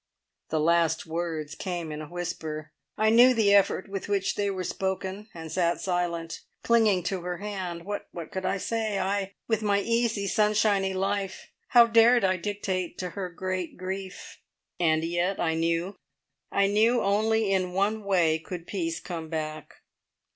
The last words came in a whisper. I knew the effort with which they were spoken, and sat silent, clinging to her hand. What could I say? I, with my easy, sunshiny life; how dared I dictate to her great grief. And yet I knew I knew only in one way could peace come back.